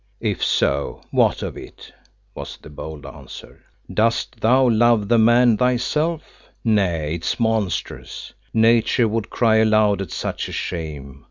"If so, what of it?" was the bold answer. "Dost thou love the man thyself? Nay, it is monstrous. Nature would cry aloud at such a shame.